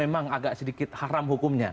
memang agak sedikit haram hukumnya